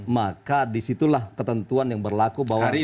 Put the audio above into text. maka disitulah ketentuan yang berlaku bahwa ini